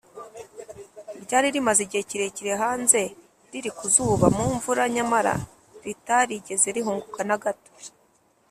ryari rimaze igihe kirekire hanze, riri ku zuba, mu mvura, nyamara ritarigeze rihongoka na gato